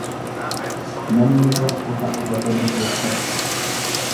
Namni tokko ka'a bosona keessatti.